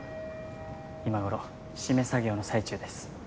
今頃締め作業の最中です。